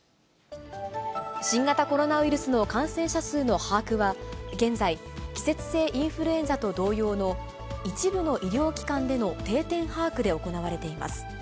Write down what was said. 新型コロナウイルスの感染者数の把握は、現在、季節性インフルエンザと同様の一部の医療機関での定点把握で行われています。